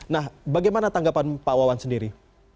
nah bagaimana tanggapan pak wawan sendiri